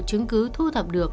chứng cứ thu thập được